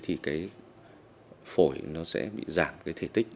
thì cái phổi nó sẽ bị giảm cái thể tích